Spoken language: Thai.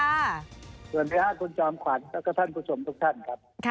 สวัสดีค่ะคุณจอมขวัญแล้วก็ท่านผู้ชมทุกท่านครับ